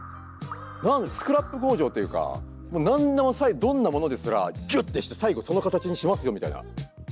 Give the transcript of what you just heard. スクラップ工場っていうか何でもどんなものですらギュッてして最後その形にしますよみたいな。